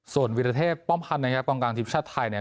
ส่วนวิทยาเทพฯป้อมพันธ์ในกองกลางทีมชาติไทยเนี่ย